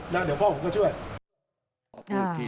แล้วเดี๋ยวพ่อผมก็ช่วยที